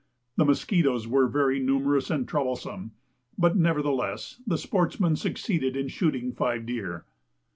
The musquitoes were very numerous and troublesome, but, nevertheless, the sportsmen succeeded in shooting five deer.